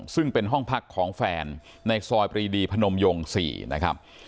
ซึ่งเป็นห้องพักของแฟนในซอยปรีดีพนมยง๔นะครับ